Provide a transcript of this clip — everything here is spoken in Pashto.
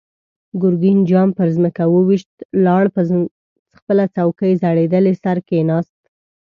ګرګين جام پر ځمکه و ويشت، لاړ، په خپله څوکۍ زړېدلی سر کېناست.